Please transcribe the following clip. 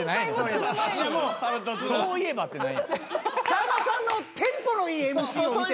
さんまさんのテンポのいいＭＣを見てるから。